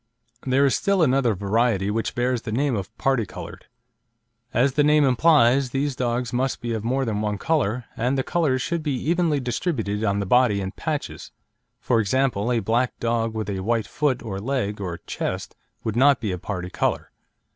There is still another variety which bears the name of parti coloured. As the name implies, these dogs must be of more than one colour, and the colours should be evenly distributed on the body in patches; for example, a black dog with a white foot or leg or chest would not be a parti colour.